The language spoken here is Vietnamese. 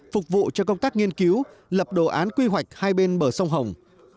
phục vụ cho công tác nghiên cứu lập đồ án quy hoạch hai bên bờ sông hồng